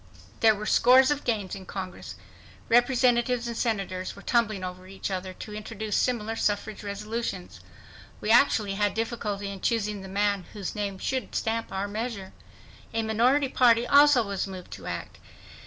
There were scores of gains in Congress. Representatives and Senators were tumbling over each other to introduce similar suffrage resolutions. We actually had difficulty in choosing the man whose name should stamp our measure. A minority party also was moved to act.